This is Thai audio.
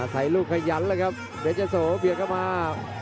ใส่ลูกขยันเลยครับเด็กระเบิดเบียดเข้ามา